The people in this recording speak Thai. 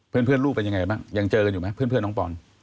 เพื่อนรูปก็ยังเจอกันอยู่ว่ามั้ยเพื่อนน้องปอน